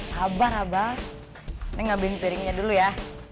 habar abah neng ambil piringnya dulu ya